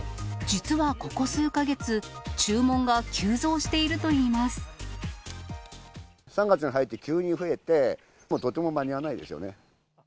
実はここ数か月、注文が急増３月に入って急に増えて、とても間に合わないですよね。